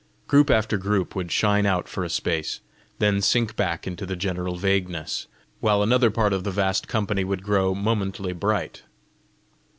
Group after group would shine out for a space, then sink back into the general vagueness, while another part of the vast company would grow momently bright.